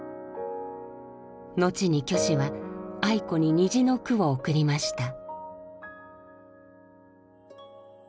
後に虚子は愛子に虹の句を送りました。